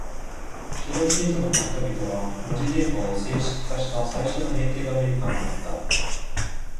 チェロキー族の人々は、文字言語を正式化した最初のネイティブアメリカンだった。